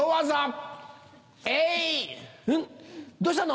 どうしたの？